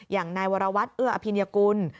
อย่างนายวรวัตรเอื้ออภิญกุล